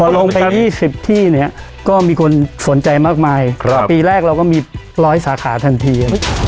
พอลงไปยี่สิบที่เนี้ยก็มีคนสนใจมากมายครับปีแรกเราก็มีร้อยสาขาทันที